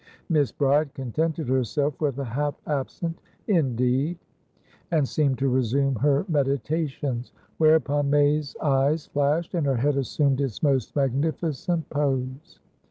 Miss Bride contented herself with a half absent "Indeed?" and seemed to resume her meditations. Whereupon, May's eyes flashed, and her head assumed its most magnificent pose.